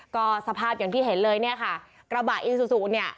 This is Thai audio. ก็สภาพอย่างที่เห็นเลยเนี่ยค่ะกระบะอีซูซูเนี่ย